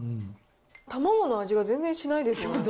たまごの味が全然しないですね。